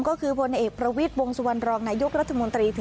ก็คือพลเอกประวิทย์วงสุวรรณรองนายกรัฐมนตรี